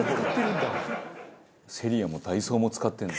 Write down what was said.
セリアもダイソーも使ってるんだ。